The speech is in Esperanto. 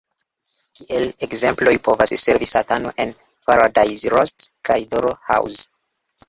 Kiel ekzemploj povas servi Satano en "Paradise Lost" kaj Dr. House.